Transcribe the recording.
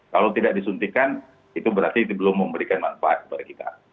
kalau tidak disuntikan itu berarti belum memberikan manfaat kepada kita